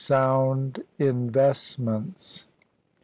SOUND INVESTMENTS.